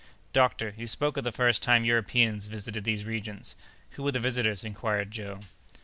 "Doctor, you spoke of the first time Europeans visited these regions. Who were the visitors?" inquired Joe.